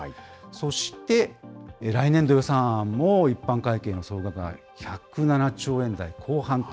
そして、来年度予算案も一般会計の総額が１０７兆円台後半と。